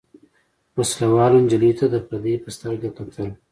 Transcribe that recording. وسله والو نجلۍ ته د پردۍ په سترګه کتل.